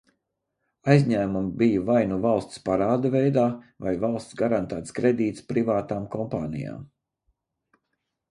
Aizņēmumi bija vai nu valsts parāda veidā, vai valsts garantēts kredīts privātām kompānijām.